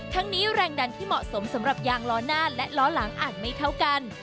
ทั้งนี้แรงดันที่เหมาะสมสำหรับยางล้อหน้าและล้อหลังอาจไม่เท่ากัน